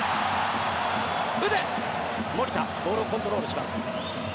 守田、ボールをコントロールします。